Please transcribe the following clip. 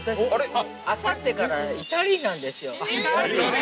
あさってから、イタリーなんですよ。